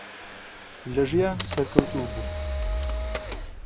لە ژیان سەرکەوتوو بوو.